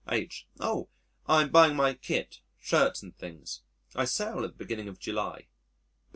H.: "Oh! I'm buying my kit shirts and things. I sail at the beginning of July."